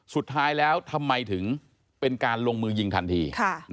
สุดท้ายแล้วทำไมถึงเป็นการลงมือยิงทันที